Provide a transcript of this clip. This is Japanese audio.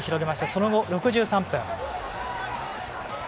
その後、６３分。